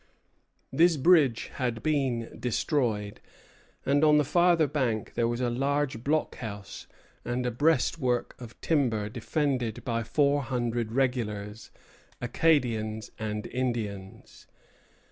This bridge had been destroyed; and on the farther bank there was a large blockhouse and a breastwork of timber defended by four hundred regulars, Acadians, and Indians.